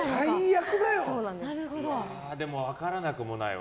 でも分からなくもないわ。